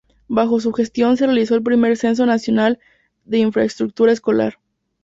Bajo su gestión se realizó el primer censo nacional de infraestructura escolar.